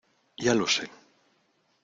ya lo sé.